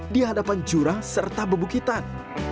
di hadapan jurang serta bebukitan